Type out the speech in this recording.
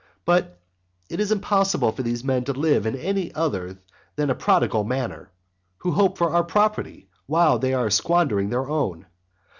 But it is impossible for these men to live in any other than a prodigal manner, who hope for our property while they are squandering their own.